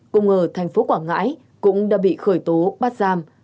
cùng ở thành phố quảng ngãi cũng đã bị khởi tố bắt giam